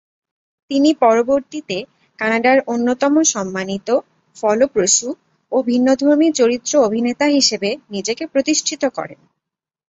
তিনি পরবর্তীতে কানাডার অন্যতম সম্মানিত, ফলপ্রসূ ও ভিন্নধর্মী চরিত্র অভিনেতা হিসেবে নিজেকে প্রতিষ্ঠিত করেন।